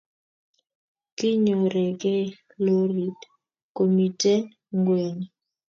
kinyoregei lorit komiten ngweny